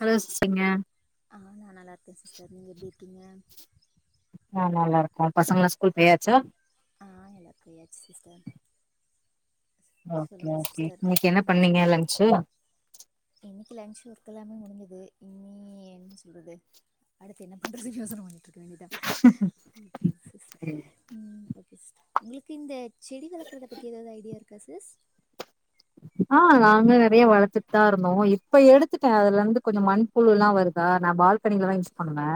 Hello [unintelligible] ஆ நா நல்லாருக்கே sister நீங்க எப்டி இருக்கீங்க ஆ நல்லாருக்கோ பசங்கல்லா ஸ்கூல் போயாச்சா ஆ எல்லா போயாச்சு சிஸ்டர் ஓகே சொல்லுங்கள் ஓகே சிஸ்டர் இன்னக்கி என்ன பண்ணீங்கெ லஞ்ச்சு இன்னக்கி லன்ஞ்ச் ஒர்க் எல்லாமே முடுஞ்சது இனி என்ன சொல்றது அடுத்து என்ன பண்றதுன்னு யோசன பண்ணிட்டு இருக்க வேண்டியதா ம் ஓகே சிஸ்டர் உங்களுக்கு இந்த செடி வளக்குறத பத்தி எதாவ்து ஐடியா இருக்கா சிஸ் ஆ நாங்க நெறைய வளத்துட் தா இருந்தோ இப்ப எடுத்துட்டே அதுல இர்ந்து கொஞ்சொ மண் புழுலா வருதா நா பால்கனிலதா யூஸ் பண்ணுவே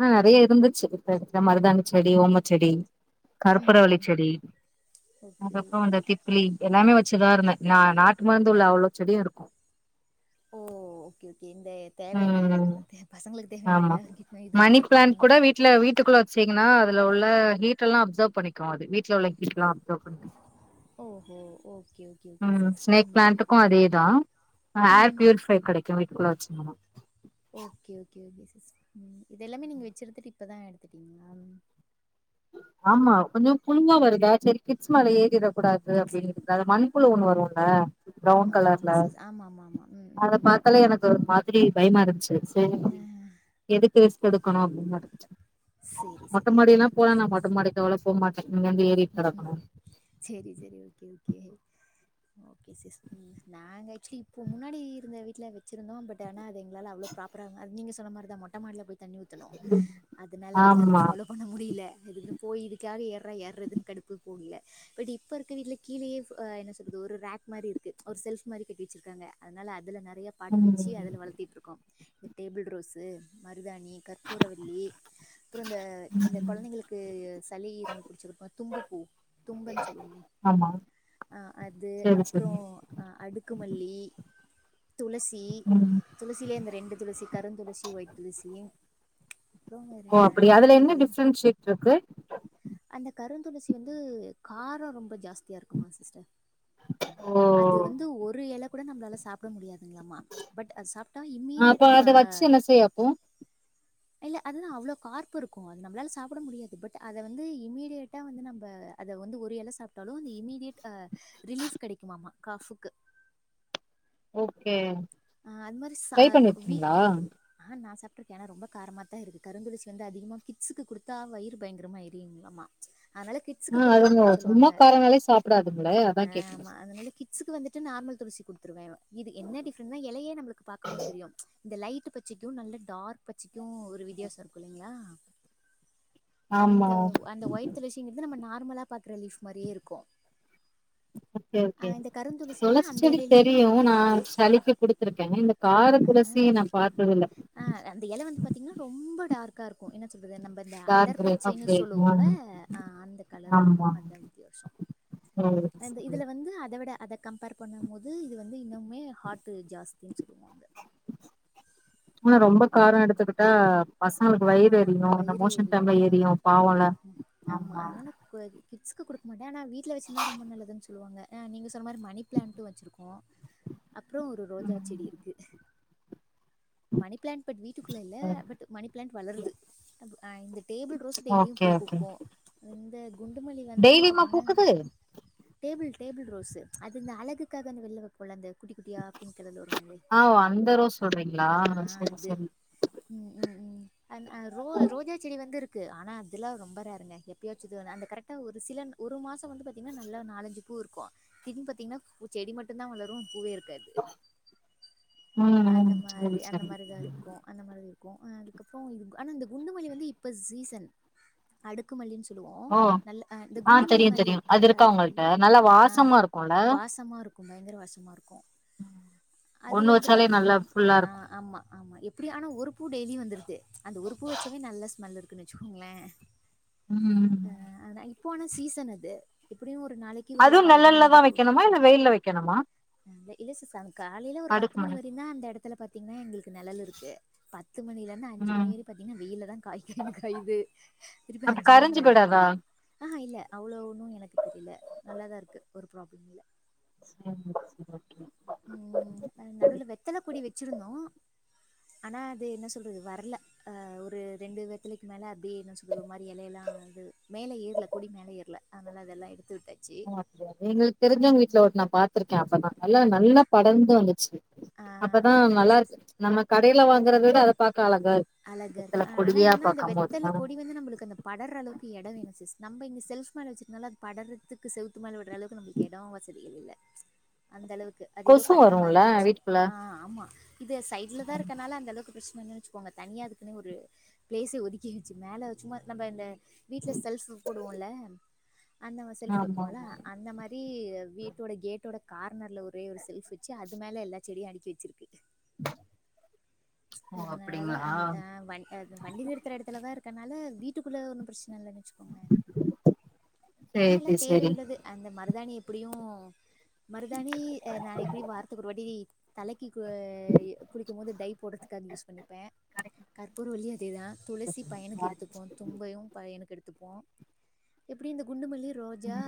ஆ நெறைய இருந்துச்சு இப்ப எடுத்துட்டே மருதாணி செடி ஓமச் செடி ம் கற்பூர ம் வள்ளிச் ம் செடி ஓகே அதுக்கப்றொ அந்த தி பிலி எல்லாமே வச்சுதா இருந்தே நா நாட்டு மருந்து உள்ள அவ்ளொ செடியு இருக்கு ஓ ஓகே ஓகே இந்த தேவையான ம் பசங்களுக்கு தேவயான எல்லார் வீட்லயு இது வச்சிருப்பாங்க இல்ல வீட்டுக்குள்ள வச்சீங்கன்னா அதுல உள்ள ஹுட் எல்லா அப்சர்வ் பண்ணிக்கு அது வீட்டுல உள்ள ஹீ்ட்டுல்லா அப்சர்வ் பண்ணிக்கு ஓஹோ ஓகே ஓகே, ஓகே ம் சிஸ். ஸ்னேக் ம். ப்ளான்டுக்கு அதேதா ஏர் ம்ஹ்ஹ்ம். பியூரிஃபை கெடைக்கு வீட்டுக்குள்ள வச்சுந்தோனா ஓகே ஓகே ஓகே சிஸ் ம் இது எல்லாமே நீங்க வெச்சிருந்துட்டு இப்பதா எடுத்துட்டீங்களா ஆமா கொஞ்சொ குழுவா வருதா சேரி ஒகேன் மேல ஏறிர கூடாது அப்டிங்கிதுகாக மண்புழு ஒன்னு வருல ப்ரௌன் ஆமாமாமா கலர்ல சிஸ். ஆமாமாமா. ம், அத ம், ம். பாத்தாலே எனக்கு ஒரு மாதிரி பயமா இருந்துச்சு ம் ஆ எதுக்கு ரிஸ்க் எடுக்கணு சரி, [inaudible] மொட்ட சரி. ஓகே, மாடிய்லா ஓகே போனா நா மொட்டமாடிக்கு அவ்ளொ போ மாட்டே இங்கெர்ந்து ஏறி சேரி சேரி ஓகே ஓகே ஓகே சிஸ் ம் நாங்க ஆக்சொலி இப்போ முன்னாடி இருந்த வீட்ல வச்சிருந்தோ பட் தென அது எங்ளால அவ்ள ப்ராப்பரா அது நீங்க சொன்ன மாரிதா மொட்டமாடில போய் தண்ணிஊத் தனோ அதனால எங்களால ஆமா ஃபாலோ பண்ண முடில அதுக்குன் போய் இதுக்காக யார்ரா ஏற்ரதுன் கடுப்பு போகல பட் இப்ப இருக்க வீட்ல கீழேயே ஃப் அ என்ன சொல்றது ஒரு ரேக் மாரி இருக்கு ஒரு செல்ஃப் மாரி கெட்டி வெச்சிருக்காங்க அதனால அதுல நெறையா பாட் வெச்சு ம் அதுல வளத்திட்டுருக்கோம் இந்த டேபிள் ரோஸு மருதாணி கற்பூரவள்ளி அப்றொ இந்த இந்த கொழந்தைங்களுக்கு சளி இருமல் பிடிச்சிருக்கு தும்ப பூ தும்பன் சொல்வோமே ஆமா அ அது செரி அப்றோ செரி உ அ அடுக்கு மல்லி துளசி ம் துளசிலே இந்த ரெண்டு துளசி கருந்துளசி ஒயிட் துளசி அப்புறோ வேற ஓ என்ன அப்டியா அதுல இருக்கு என்ன டிஃப்ரெண்ட்ஷியேட் இருக்கு அந்த கருந்துளசி வந்து காரொ ரொம்ப ஜாஸ்தியா இருக்குமா சிஸ்டர் ஓ அது வந்து ஒரு இலை கூட நம்பளால சாப் ப்ட முடியாதுங்ளாமா பட் அது சாப்டா அப்ப இம்மீடியட் அ அத வச்சு என்ன செய்ய அப்போ இல்ல அதுதா அவ்வளோ கார்ப் இருக்கு அது நம்பளால சாப்பிட முடியது பட் அத அதை வந்து இம்மீடியேட்டா வந்து நம்ப அத வந்து ஒரு எல சாப்ட்டாலு அந்த இம்மீடியேட் ரிலீஃப் கிடைக்குமாமா காஃபுக்கு ஓகே ஆ அந் மாரி சா ட்ரை கொ வி பண்ணிருக்கீங்களா ஆ நா சாப்ட்டுருக்க ஆனா ரொம்ப காரமாத்தா இருக்கு கருந்துளசி வந்து அதிகமா கிட்ஸுக்கு குடுத்தா வயிறு பயரங்கரமா எரி யுங்களாமா அதனால கிட் ஸ்க்கு ஆ குடுக்க அதுங்க வேணானு சும்மா சொல்வாங்க காரனாலே சாப்டாதுங்களே அதா ஆ கேக்குறே ஆமா அதனால கிட் சுக்கு வந்துட்டு நார்மல் துளசி குடுத்துருவே இது இருந்த எலயே நம்பளுக்கு பாக்கும் போது தெரியு இந்த லைட் பச்சைக்கு நல்ல டார்க் பச்சைக்கு ஒரு வித்தியாச இருக்கு இல்லைங்களா ஆமா அந்த ஒ அந்த ஒய்ட் துளசிங்கிறது நம்ம நார்மலா பாக்ற லைஃப் மாரியே இருக்கு ஓகே ஆ ஓகே இந்த கருந்துளசி வந்து துளசி அந்த செடி எலையிலயே தெரியு நா சளிக்கு குடுத்திருக்கே இந்த கார துளசிய நா பாத்ததில்ல ஆ அந்த எல வந்து பாத்தீங்கனா ரொம்ப டார்க்கா இருக்கு என்ன சொல்றது நம்ப இந்த டார்க் கிரே அடர்ப்பச்சைனு ஓகே சொல்லுவோல ம் அ அந்த கலர்ல இருக்கு ஆமா அதுதா வித்தியாசொ சேரி அந்த சேரி இதுல வந்து அத விட அத கம்பேர் பண்ணும் போது இது வந்து இன்னுமே ஹாட் ஜாஸ்தினு சொல்லுவாங்க ஆனா ரொம்ப காரொ எடுத்துக்கிட்டா பசங்களுக்கு ஆமா வயிறு நம் எரியு அந்த வயிறு மோஷன் எரியும் டைம்ல ஆ எரியு பாவொல கூடாது கிட்ஸ்க்கு குடுக்க மாட்டே ஆனா வீட்ல வெச்சிருந்தா ரொம்ப நல்லதுன் சொல்லுவாங்க அ நீங்க சொன்ன மாரி மணி பிளான்ட்டு வச்சுருக்கோ அப்றொ ஒரு ரோஜா ம் செடி இருக்கு மணி பிளான்ட் பட் வீட்டுக்குள்ள இல்ல பட் மணி பிளான்ட் வளருது இந்த டேபில் ரோஸ் டெய்லியு ஓகே பூ ஓகே பூக்கு இந்த குண்டுமல்லி வந்து டெய்லியுமா பாத்தீங்னா பூக்குது டேபிள் டேபிள் ரோஸ்சு அது இந்த அழகுக்காக அந்த வெள்ல வெப் போல இந்த குட்டி குட்டியா பிங்க் கலர்ல வரும்லே ஆ அந்த ரோஸ் சொல்றீங்களா ஆ சரி அது சரி ம் ம் ம் அந் அ ரோ ரோஜா செடி வந்துருக் கு ஆனா அதுல்லா ரொம்ப ரேருங்க எப்பயாசும் அந்த கரெக்டா ஒரு சில ஒரு மாசொ வந்து பாத்தீங்னா நல்ல நாலஞ்சு பூ இருக்கு திடீர்னு பாத்தீங்னா பூ செடி மட்டுந்தா வளரு பூவே இருக்காது. ம் அந்த ம் சரி மாரி அந்த சரி மாரி தா இருக்கு அந்த மாரிது இருக்கு அ அதுக்கப்றொ இது ஆனா இந்த குண்டுமல்லி வந்து இப்ப சீசன் அடுக்குமல்லின் சொல்லுவோ ஓ நல்ல அ இந்த ஆ குண்டுமல்லி தெரியு மாரி தெரியு அது இருக்காது இருக்கா உங்கள்ட்ட அடுக்குமல்லி நல்லா அ வாசமா இருக்குல்ல வாசமா இருக்கு பயங்கர வாசமா இருக்கு அது ஒண்ணு வந்து வச்சாலே பாத்தீங் நல்லா ஃபுல்லா ஆ இருக்கு ஆ ஆமா ஆமா எப்பிடி ஆனா ஒரு பூ டெய்லியு வந்துருது அந்த ஒரு பூ வச்சாவே நல்ல ஸ்மெல் இருக்குன்னு வச்சுக்கோங்களே [inaudible] ம் அ ஆனா இப்போ ஆன சீசன் அது எப்பிடியு ஒரு நாளைக் அதுவு நெலல்ல தா வைக்கணுமா இல்ல வெயில்ல வைக்கணுமா இல்ல சிஸ் அங் காலையில ஒரு பத்து அடுக்கு மணி மாடி வரியு தா அந்த எடத்துல பாத்தீங்கன்னா எங்களுக்கு நிழல் இருக்கு பத்து மணியிலந்து அஞ்சி மணி ம் வரையு பாத்தீங்கன்னா வெயிலதா காயி காயின்னு காயுது திரும்பி அப்ப அஞ்சு மணிக்கு கரிஞ்சு மேலதா நெ போயிடாதா ஆஹா இல்ல அவ்ளோ ஒன்னு எனக்கு தெரியல நல்லாதா இருக்கு ஒரு ப்ராப்ளம் இல்ல சேரிங் சேரி ஓகே ம் நடுவில வெத்தல கொடி வச்சிருந்தோ ஆனா அது என்ன சொல்றது வரல ஆ ஒரு ரெண்டு வெத்தலைக்கு மேல அப்டி என்ன சொல்றது ஒரு மாரி எலையெல்லா அது மேலே ஏறல கொடி மேல ஏறல அனால அதெல்லா எடுத்துவிட்டே ஓ அப்டியா எங்களுக்கு தெரிசவங்க வீட்ல ஒன் நா பாத்துருக்கே அப்பதா நல்லா நல்லா படர்ந்து வந்துச்சி ஆ அப்பதா ஓகே ஓகே நல்லா சிஸ் இருக்கு நம்ம கடையில வாங்கறத விட அத பாக்க அழகா இரு அழகா இருக்கு அ ஆனா என்னென்னா அந்த வெத்தல கொடி வந்து நம்மளுக்கு அந்த படர்ர அளவுக்கு எடோ வேணு சிஸ் நம்ம இங்க செல்ப் மேல வச்சிருந்தால அத படறதுக்கு செவுத்து மேல விடற அளவு நம்ல் கெடோ வசதி இல்ல அந்த அளவுக்கு அது எதோ கொசு கட்ட மாரி வருல்ல இருந்ச்சி வீட்டுக்குள்ள ஆ ஆமா இது சைட்லதா இருக்கனால அந்த அளவுக்கு பிரச்சன்ன இல்லனு வச்சிக்கோ போங்க தனியா அதுக்குன்னே ஒரு பிளேசே ஒதுக்கி வச்சி மேல சும்மா நம்ம இந்த வீட்ல செல்ஃப் போடுவோல்ல அந்த மா செல்ஃப் ஆமா வைப்போல்ல ஆமா அந்த மாரி வீ வீட்டோட கேட்டோட கார்னர்ல ஒரே ஒரு செல்ஃப் வச்சி அது மேல எல்லா செடியு அடுக்கி வச்சிருக்கு ஓ அதனால அப்டிங்களா அந்த அ வ அ அந்த வண்டி நிறுத்துற எடத்துலதா இருக்கனால வீட்டுக்குள்ள ஒன்னு பிரச்சன இல்லன்னு வச்சுக்கோங்க ஆனா எல்லா சேரி சேரி தேவயுள்ளது அந்த மருதாணி எப்பிடியு மருதானி அ நா எப்படி வாத்துக்கு ஒரு வாட்டி தலைக்கு கு குளிக்கு போது டை இதுகாது யூஸ் பண்ணிப்பே கற்பூரவள்ளி அதேதா துளசி பையனுக் எடுத்துப்போ தும்பையு, பை யனுக்கு எடுத்துப்போ எப்டி இந்த குண்டு மல்லி ரோஜா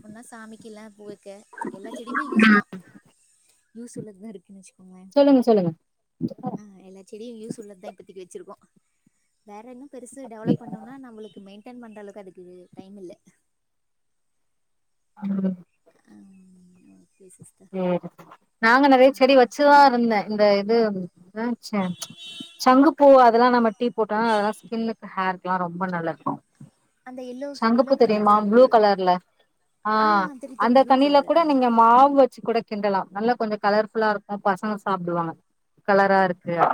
சொன்னா சாமிக்கு இல்ல பூ வைக்க எல்லா செடியுமே யூஸ்தா யூஸ் உள்ளதா இருக்கு வச்சிக்கோங்களே சொல்லுங்க சொல்லுங்க ஆ எல்லா செடியு யூஸ் உள்ளதா இப்பதைக் வச்சிருக்கோ வேற இன்னு பெருசு டெவலப் பண்ணு ன்னா நம்மளுக்கு மெயின்டே பண்ற அளவு அதுக்கு டைம் இல்ல ம் ஆ பேசஸ்தா ம் நாங்க நெறைய செடி வச்சிதா இருந்தே இந்த இது ஆச்ச சங்குப்பூ அதெல்லா நம்ம டீ போட்டா அதெல்லா ஸ்கின்னுக்கு, ஹேர்க்குல்லா ரொம்ப நல்லருக்கு. அந்த எல்லோ எல்லோ சங்குப்பூ கலர் தெரியுமா ப்ளூ சங்கு கலர்ல ஆ தெரியு அந்த தெரியு ப்ளூ தண்ணியில கலர் கூட ஆ நீங்க மாவு வ ச்சி கூட கிண்டலா நல்லா கொஞ்ச கலர் ஃபுல்லா இருக்கு பசங்க சாப்பிடுவாங்க கலரா இருக்கு ஓ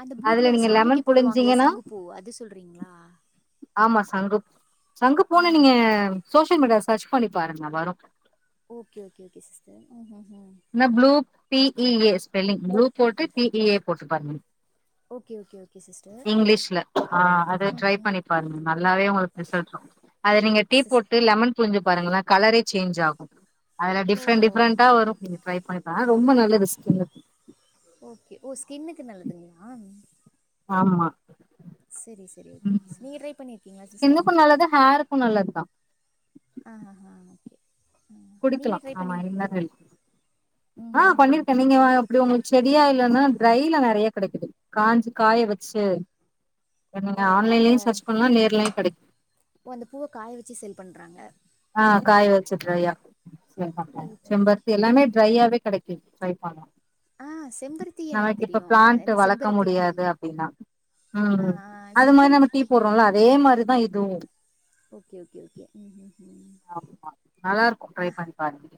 அந்த ப்ளூ அதுல கலர்ல நீங்க சாமிக்கு லெமன் போடுவாங்களே புழிஞ்சீங்கன்னா சங்குப்பூ அது சொல்றீங்களா ஆமா சங்குப் சங்கு பூண்ணு ஆஹா நீங்க சோசியல் மீடியால சர்ச் பண்ணி பாருங்க வரும் ஓகே ஓகே ஓகே சிஸ்டர் ம் ம் ம் இல்னா blue B E A spelling blue போட்டு பி இ ஏ போட்டு பாருங்க ஓகே ஓகே ஓ கே சிஸ்டர் இங்கிலீஷ்ல ஆ அத ம் ட்ரை ம் பண்ணி பாருங்க நல்லாவே உங்களுக்கு ரிசல்ட்ரு அது நீங்க டீ சிஸ் போட்டு லெமன் புழுஞ்சி பாருங்களா கலரே சேஞ்ச் ஆகும் அதுல டிஃப்ரெண்ட் ஓஹோ டிஃப்ரெண்டா வரும் ட்ரை பண்ணிப்பே ரொம்ப நல்லது ஸ்க்கின்னுக் ஓகே ஓ ஸ்கின்னுக்கு நல்லதுங்ளா ம் ஆமா செரி செரி ஓகே [inaudible] நீங்க ட்ரை பண்ணிர்க் ஸ்கின்னுக்கும் நல்லது ஹேருக்கும் நல்லது தான் அ அ அ ஒகே குடிக்கிலா ஆமா [unintelligible] ம் ஆ ம் ம் பண்ணிருக்கேன் நீங்க வ ப்புடி உங்களுக்கு செடியா இல்லன்னா ட்ரைல நறையா கடைக்குது காஞ்சி காய வச்சு அ ஓ நீங்க அந்த ஆன்லைன்லயும் சர்ச் பண்லா நேர்லாயும் கடைக் ஓ அந்த பூவ காய வெச்சு சேல் பண்றாங்க ஆ காய் வச்சு ட்ரைய்யா [unintelligible] செம்பர்த்தி ஓகே எல்லாமே ஓகே ட்ரையாவே கடைக் கி ட்ரை பண்லா ஆ செம்பருத்தி எனக்கு நமக்கு இப்ப தெரியு அ பிளான்ட்டு இந்த வளக்க செம்பருத்தி டீ முடியாது அப்டின்னா ஆ ம் ஆ அது மாரி செம்பருத்தி நம்ம டீ தெரியு போட்றோல்ல அதே மாரிதான் இதுவும் ஓகே ஓகே ஓகே ம் ம் ம் ஆமா நல்லா இருக்கும் ட்ரை நா பண்ணி பாருங்க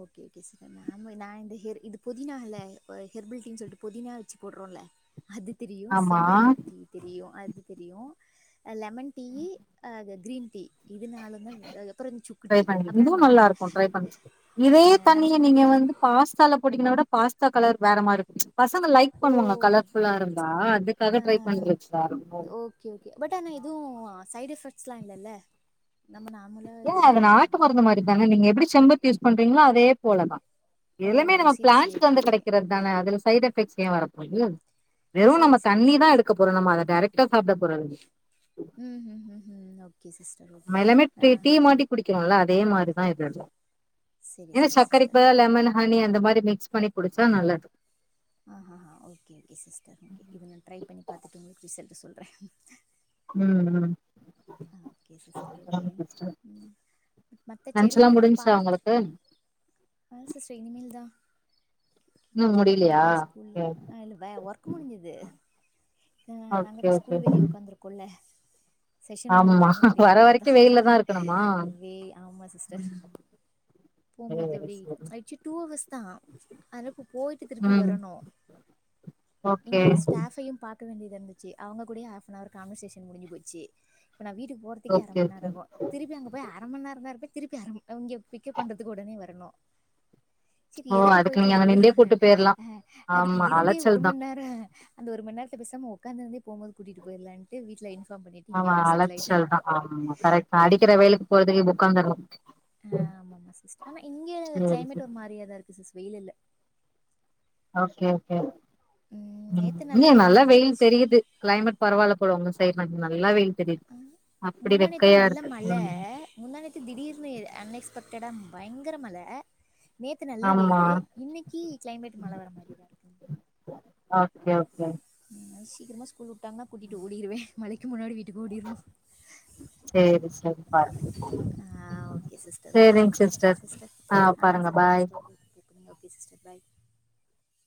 ஓகே ஓகே [unintelligible] நான் இந்த ஹெர் இது புதினா இல்ல இப்ப ஹெர்பில் டீன் சொல்ட்டு புதினா வெச்சு போட்றோல்ல அது தெரியும் ஆமா செம்பருத்தி டீ தெரியும் அது தெரியும் அ லெமன் டீயி அ க கிரீன் டீ இது நாலந்த ம் அ அப்புறம் சுக் ட்ரை பண்ணி இதுவும் நல்லா இருக்கும் ட்ரை பண் இதே நம் தண்ணிய நீங்க வந்து பாஸ்தால போட்டீங்கனா கூட பாஸ்தா கலர் வேற மாருக் பசங்க லைக் ஓ பண்ணுவாங்க கலர் ஃபுல்லா இருந்தா அதுக்காக ஆ ட்ரை பண்ணி வெச்சா ரெம்பவுமே ஓகே ஓகே பட் ஆனா எதுவும் சைட் எஃபெக்ட்ஸ் லா இல்லல்ல நம்ம நாம் ல அது நாட்டு மருந்து மாரி தானே நீங்க எப்புடி செம்பருத்தி யூஸ் பண்றீங்களோ அதே போலதான் எல்லாமே ஓஹோ நம்ம செரி செரி ஓகே பிளான்ட்ஸ்லந்து ஓகே கிடைக்கிறது தான அதுல சைட் எஃபெக்ட்ஸ் ஏன் வரப்போது வெறும் நம்ம செரி செரி தண்ணி தான் சிஸ் எடுக்க போறோம் நம்ம அத டேரக்டா சாப்ட போறதுல்ல ம் ம் ம் ம் ஓகே சிஸ்டர் ஓகே ஆ குடிக்கிறோல்ல அதே மாரிதா இது சரி [inaudible] ஏன்னா சரி சக்கரைக் சிஸ்டர் பதில் ஓகே லெமனு அது நீ அந்த மாரி மிக்ஸ் பண்ணி குடிச்சா நல்லது ஆ ஆ ஆ ஓகே ஓகே சிஸ்டர் ஓகே இத நான் ட்ரை பண்ணி பாத்துட்டு உங்குளுக்கு ரிசல்ட் சொல்றேன் ம் ம் ஓகே சிஸ்டர் ஓகே ம் ம் மத்த செடி லன்ச்லா எல்லா நா முடிஞ்ச்சா உங்களுக்கு பாத்துருக்கே ஆ சிஸ்டர் இனிமேல் தா இன்னு முடியலையா இதுக்காக ஸ்கூல்ல ஓகே ஆ இல்ல வே ஒர்க் முடிஞ்சிது ஆ நாங்க ஓகே தா ஓகே. ஸ்கூல் வெளியே உக்காந்துருக்கோல்ல செஷன் முடிஞ்சு ஆமா பைய்யன கூட்டிட்டு வர போயிட்டு தா வரைக்கு வெயில்ல இருக்கணுமா வே ஆமா சிஸ்டர் போகும்போது சேரி அப்டி சேரி ஆய்டுச்சு டூ அவர்ஸ் தா அதுன போய்ட்டு திருப்பி ம் வரணு இங்க ஓகே ஒரு ஸ்டாஃபையு பாத்த வேண்டியதாருந்துச்சி அவுங்க கூடயே கான்வசேஷன் முடிஞ்சு போச்சு நா வீட்டு போறது க்கு அர ஓகே மண் நேரோ ஓகே ஆகு திருப்பி அங்க போய் அரமண் நேரோ தா இருப் திருப்பி அரங்க பிக்கப் பண்றதுக்கு உடனே வரணு செரி ஓ எதுக்கு போய்ட்டு நீங்க அதுக்கு அங்க வரு நிண்டே கூட்டு போயிரலா ஆ அதுக்கு ஆமா இருந்தே அலைச்சல் ஒரு தா மண் நேரோ அந்த ஒரு மண்நேரத்துக்கு பேசாம உட்காந்துருந்தே போம்போது கூட்டிகிட்டு போய்லான்ட்டு வீட்ல இன்பார்ம் பண்ணிட்டு ஆமா இங்கயே செட்டில் ஆயிட்டே அழச்சல் தா ஆமா கரெக்ட் தா அடிக்கிற வெயிலுக்கு போறதுக்கு உக்காந்துரலா ஆ ஆமா ஆமா சிஸ்டர் ஆனா இங்க கிளைமேட் சேரி ஒரு மாரியாதா இருக்கு சிஸ் வெயில் இல்ல ஓகே ஓகே ம் இங்க நல்ல வெயில் தெரியுது கிளைமேட் பரவால்ல போல உங்க சைடு நாங்க நல்லா வெயில் தெரியுது அப்டி வெக்கையாருக்கு ஆ முந்தாணேத்து திடீர்னு அன்எக்ஸ்பெக்டடா பயங்கர மழ நேத்து நல்ல ஆமா வெயிலு இன்னிக்கு கிளைமேட் மழ வர மாரிதாருக்கு ஓகே ஓகே என்ன சீக்கிரமா ஸ்கூல் வுட்டாங்கனா கூட்டிட்டு ஓடிடுவே மழைக்கு முன்னாடி வீட்டுக்கு ஓடிற்னு சேரி சரி பா ஓகே சிஸ்டர் ஓகே சிஸ்டர் ஆ பாருங்க செரிங் பாய் சிஸ்டர் ஓகேங்க ஓகே சிஸ்டர் பாய்